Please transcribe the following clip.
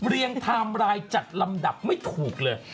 ไทม์ไลน์จัดลำดับไม่ถูกเลย